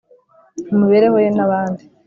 mu mibereho ye n’abandi